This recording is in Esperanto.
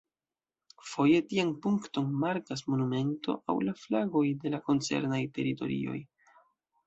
Foje tian punkton markas monumento aŭ la flagoj de la koncernaj teritorioj.